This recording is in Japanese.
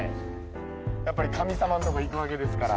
やっぱり神様のとこ行くわけですから。